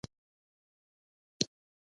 آیا تودوخه په ژمي کې ډیره نه لګیږي؟